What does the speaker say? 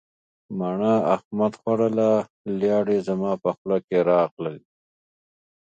مڼه احمد خوړله لیاړې زما په خوله کې راغللې.